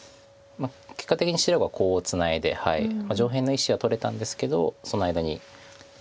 結果的に白がコウをツナいで上辺の石は取れたんですけどその間に左上囲ってしまって。